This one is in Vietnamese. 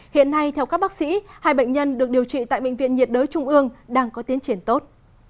hiện nay theo các bác sĩ hai bệnh nhân được điều trị tại bệnh viện nhiệt đới trung ương đang có tiến triển tốt